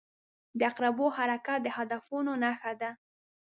• د عقربو حرکت د هدفونو نښه ده.